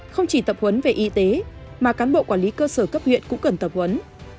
không chỉ tập huấn về y tế mà cán bộ quản lý cơ sở cấp huyện cũng cần tập huấn